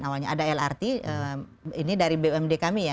ada lrt ini dari bumd kami ya